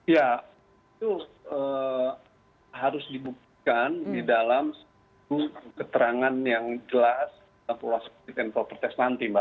ya itu harus dibuktikan di dalam satu keterangan yang jelas